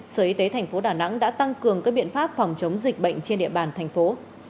sở y tế thành phố đà nẵng đã tăng cường các biện pháp phòng chống dịch bệnh trên địa bàn thành phố